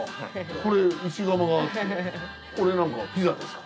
これ石窯がこれなんかピザですか？